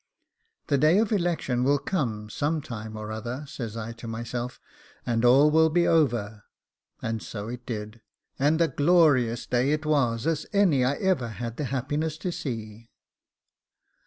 The day of election will come some time or other, says I to myself, and all will be over; and so it did, and a glorious day it was as any I ever had the happiness to see.